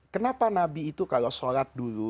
kenapa nabi itu kalau sholat dulu